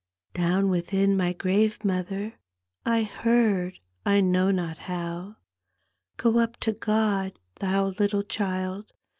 " Down within my grave, mother, I heard, I know not how, "Go up to God, thou little child.